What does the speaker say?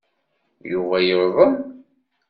Yuba yuḍen.